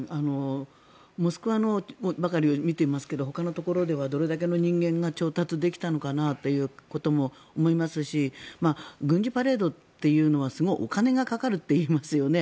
モスクワばかりを見てますけどほかのところではどれだけの人間が調達できたのかなということも思いますし軍事パレードというのはすごいお金がかかるといいますよね。